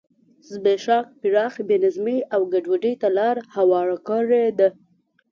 زبېښاک پراخې بې نظمۍ او ګډوډۍ ته لار هواره کړې ده.